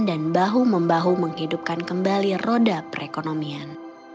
dan bahu membahu menghidupkan kembali roda perekonomian